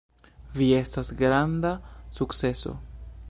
Vi estas granda sukceso.